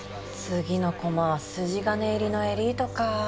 次の駒は筋金入りのエリートか。